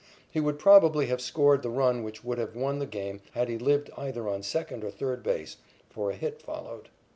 He would probably have scored the run which would have won the game had he lived either on second or third base, for a hit followed.